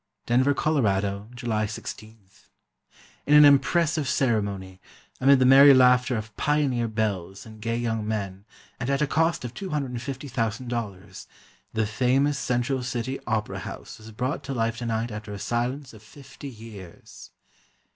Denver, Col., July 16.—In an impressive ceremony, amid the merry laughter of "pioneer" belles and gay young men, and at a cost of $250,000, the famous Central City Opera House was brought to life tonight after a silence of fifty years.